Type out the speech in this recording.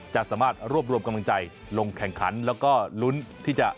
จะสามารถรวบรวมกำลังใจลงแข่งขันแล้วก็ลุ้นที่จะ